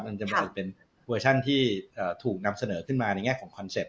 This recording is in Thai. มันจะเป็นเวอร์ชันที่ถูกนำเสนอขึ้นมาในแง่ของคอนเซ็ปต